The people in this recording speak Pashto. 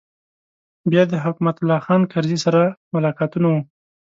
بیا د حکمت الله خان کرزي سره ملاقاتونه و.